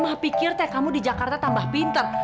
mah pikir teh kamu di jakarta tambah pinter